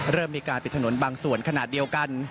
เริ่มมีการปิดถนนบางส่วนขนาดเดียวกัน